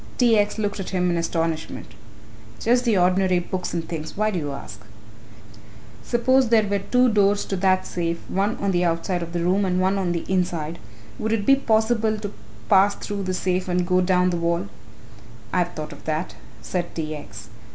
T. X. looked at him in astonishment. "Just the ordinary books and things. Why do you ask?" "Suppose there were two doors to that safe, one on the outside of the room and one on the inside, would it be possible to pass through the safe and go down the wall?" "I have thought of that," said T. X.